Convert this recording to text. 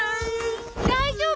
大丈夫？